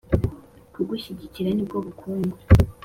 Kugushyigikira nibwo bukungu